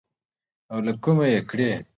او له کومه يې کړې.